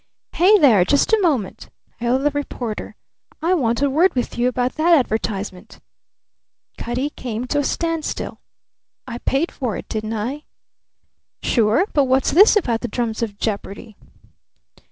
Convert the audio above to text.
"Hey, there; just a moment!" hailed the reporter. "I want a word with you about that advertisement." Cutty came to a standstill. "I paid for it, didn't I?" "Sure. But what's this about the drums of jeopardy?"